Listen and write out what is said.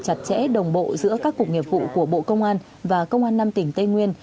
chặt chẽ đồng bộ giữa các cục nghiệp vụ của bộ công an và công an năm tỉnh tây nguyên